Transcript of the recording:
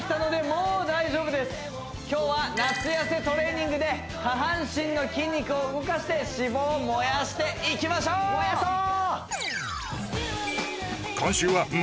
今日は夏痩せトレーニングで下半身の筋肉を動かして脂肪を燃やしていきましょう燃やそう！